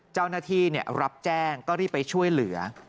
เจ้าหน้าที่รับแจ้งก็รีบไปช่วยเหลือ